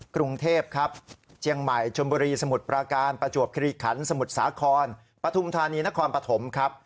กรุงเทพครับเชียงใหม่ชนบุรีสมุทรประการประจวบคิริขันสมุทรสาครปฐุมธานีนครปฐมครับ